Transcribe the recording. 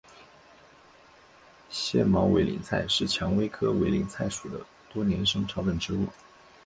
腺毛委陵菜是蔷薇科委陵菜属的多年生草本植物。